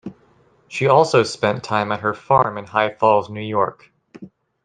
She also spent time at her farm in High Falls, New York.